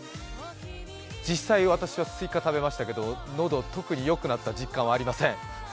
実際、私はスイカを食べましたけど喉、特に良くなった実感はありません。